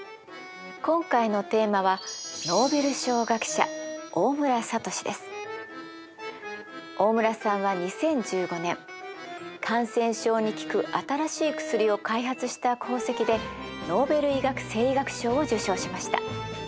今回のテーマは大村さんは２０１５年感染症に効く新しい薬を開発した功績でノーベル医学・生理学賞を受賞しました。